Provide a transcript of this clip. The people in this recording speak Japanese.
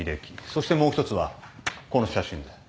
そしてもう一つはこの写真で。